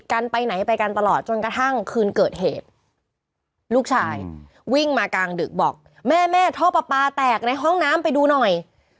คืนเกิดเหตุลูกชายวิ่งมากลางดึกบอกแม่แม่ท่อป๊าป๊าแตกในห้องน้ำไปดูหน่อย